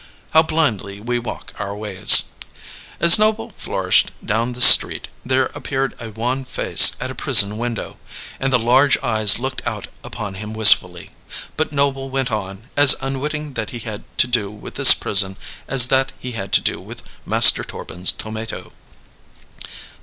How blindly we walk our ways! As Noble flourished down the street, there appeared a wan face at a prison window; and the large eyes looked out upon him wistfully. But Noble went on, as unwitting that he had to do with this prison as that he had to do with Master Torbin's tomato.